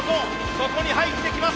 そこに入ってきます。